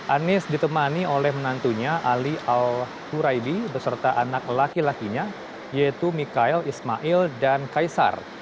anies ditemani oleh menantunya ali al huraidi beserta anak laki lakinya yaitu mikael ismail dan kaisar